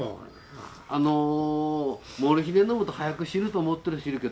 あのモルヒネ飲むと早く死ぬと思ってる人いるけどあれうそ。